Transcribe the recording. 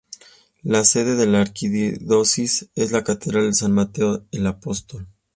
La sede de la Arquidiócesis es la Catedral de San Mateo el Apóstol.